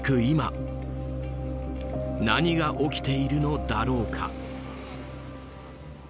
今何が起きているのだろうか。